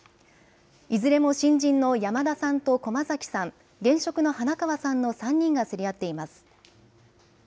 いずれも新人の山田さんと駒崎さん、現職の花川さんの、３人が競り合っています。